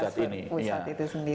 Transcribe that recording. transfer pusat itu sendiri